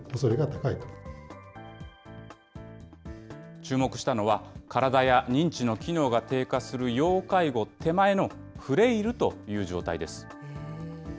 注目したのは、体や認知の機能が低下する要介護手前のフレイルという状態です。